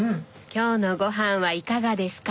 今日のごはんはいかがですか？